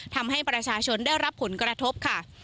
ทำให้ประชาชนได้รับผลกระทบค่ะ